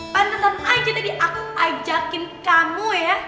panenmu aja tadi aku ajakin kamu ya